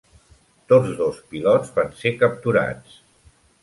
Tots dos pilots van ser capturats.